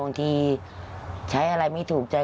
บางทีใช้อะไรไม่ถูกใจ